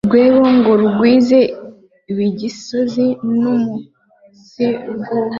rwebo ngo rugwize ibigisozi no umunsirwubeke rugekomere